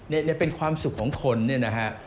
นี่เป็นความสุขของคนเนี่ยนะฮะ